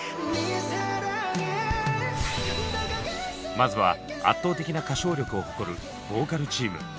まずは圧倒的な歌唱力を誇る「ボーカル」チーム。